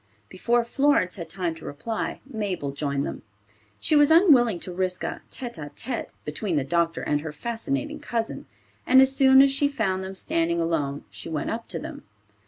Before Florence had time to reply, Mabel joined them. She was unwilling to risk a tete a tete between the doctor and her fascinating cousin, and as soon as she found them standing alone she went up to them.